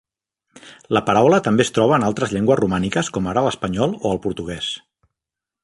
La paraula també es troba en altres llengües romàniques com ara l'espanyol o el portuguès.